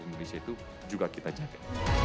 indonesia itu juga kita jaga